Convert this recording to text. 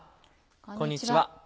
こんにちは。